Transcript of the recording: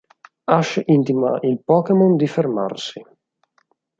Ash intima il Pokémon di fermarsi.